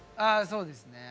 そうですね。